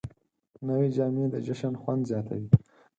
نوې جامې د جشن خوند زیاتوي